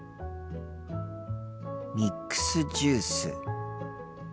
ミックスジュース。